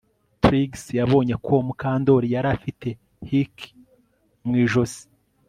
Trix yabonye ko Mukandoli yari afite hickie mu ijosi